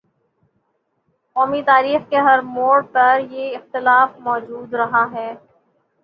قومی تاریخ کے ہر موڑ پر یہ اختلاف مو جود رہا ہے۔